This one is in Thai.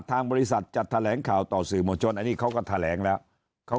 ทางบริษัทจัดแถลงข่าวต่อสื่อมวลชนอันนี้เขาก็แถลงแล้ว